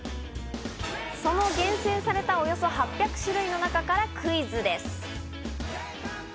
その厳選された、およそ８００種類の中からクイズです。